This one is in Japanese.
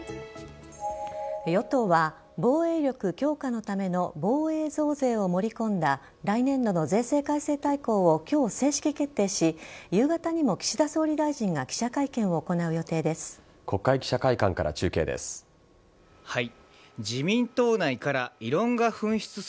与党は防衛力強化のための防衛増税を盛り込んだ来年度の税制改正大綱を今日、正式決定し夕方にも岸田総理大臣が記者会見を行う予定です。